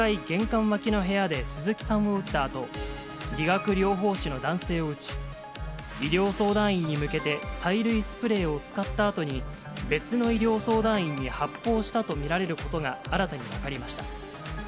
玄関脇の部屋で鈴木さんを撃ったあと、理学療法士の男性を撃ち、医療相談員に向けて催涙スプレーを使ったあとに、別の医療相談員に発砲したと見られることが新たに分かりました。